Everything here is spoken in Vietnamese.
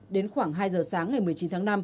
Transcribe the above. đến khoảng hai giờ sáng ngày một mươi chín tháng năm